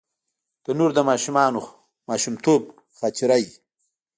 تنور د ماشومتوب خاطره وي